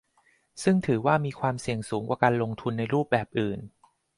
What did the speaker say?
ซึ่งถือว่ามีความเสี่ยงสูงกว่าการลงทุนในรูปแบบอื่น